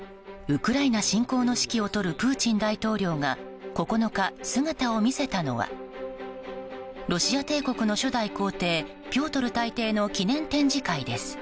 ウクライナ侵攻の指揮を執るプーチン大統領が９日、姿を見せたのはロシア帝国の初代皇帝ピョートル大帝の記念展示会です。